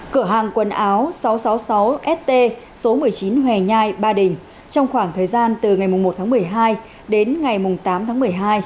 cửa hàng quần áo sáu trăm sáu mươi sáu st số một mươi chín hòe nhai ba đình trong khoảng thời gian từ ngày một tháng một mươi hai đến ngày tám tháng một mươi hai